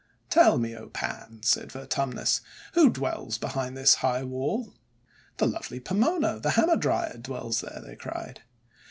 'Tell me, O Pans," said Vertumnus, 'who dwrells behind this high wall?' 'The lovely Pomona, the Hamadryad, dwells there!' they cried.